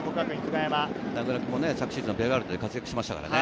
名倉君も昨シーズン、ベガルタで活躍しましたからね。